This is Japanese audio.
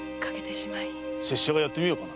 拙者が演ってみようか？